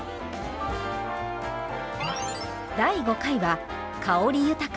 第５回は香り豊か！